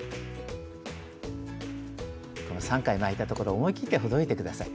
この３回巻いたところを思いきってほどいて下さい。